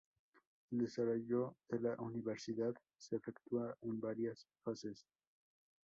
El desarrollo de la universidad se efectúa en varias fases.